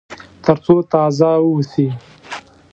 تر څو تازه واوسي.